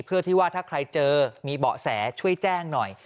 เพื่อที่ว่าถ้าใครเจอมีเบาะแสช่วยแจ้งหน่อย